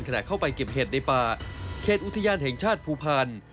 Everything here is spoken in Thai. ขณะเข้าไปเก็บเห็ดในป่าเขตอุทยานแห่งชาติภูพันธ์